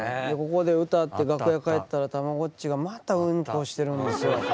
ここで歌って楽屋帰ったらたまごっちがまたうんこしてるんですよ。